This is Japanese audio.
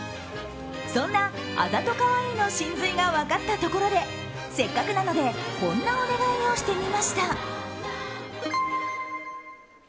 そんな、あざとカワイイの神髄が分かったとことでせっかくなのでこんなお願いをしてみました。